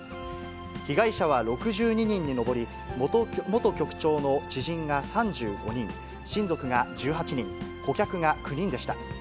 被害者は６２人に上り、元局長の知人が３５人、親族が１８人、顧客が９人でした。